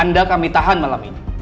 anda kami tahan malam ini